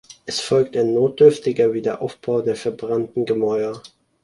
Es folgt ein notdürftiger Wiederaufbau der verbrannten Gemäuer.